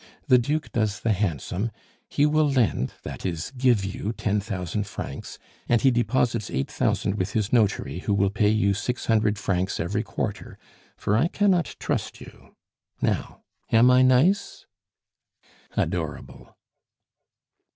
The Duke does the handsome; he will lend that is, give you ten thousand francs; and he deposits eight thousand with his notary, who will pay you six hundred francs every quarter, for I cannot trust you. Now, am I nice?" "Adorable."